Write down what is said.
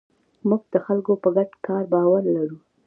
موږ د خلکو په ګډ کار باور لرو.